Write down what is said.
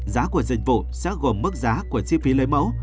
giá của dịch vụ sẽ gồm mức giá của chi phí lấy mẫu